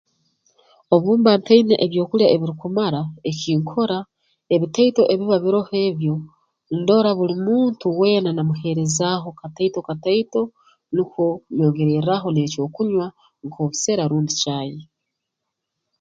Obu mba ntaine ebyokulya ebirukumara ekinkora ebitaito ebiba biroho ebyo ndora buli muntu weena namuheerezaaho kataito kataito nukwo nyongererraaho n'eky'okunywa nk'obusera rundi caayi